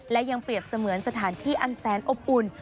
และยังเปรียบเสมือนสถานที่อันแสนอบอุ่น